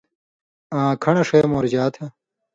آں کھن٘ڑہۡ ݜے مورژا تھہ